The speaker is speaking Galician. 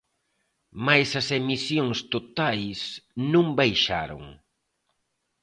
Mais as emisións totais non baixaron.